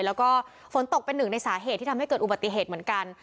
แล้วก็ฝนตกเป็นหนึ่งในสาเหตุที่ทำให้เกิดอุบัติเหตุเหมือนกัน